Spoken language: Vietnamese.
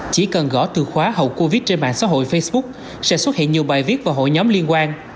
chỉ cần gõ từ khóa hậu covid trên mạng xã hội facebook sẽ xuất hiện nhiều bài viết và hội nhóm liên quan